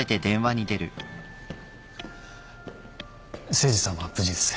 誠司さんは無事です。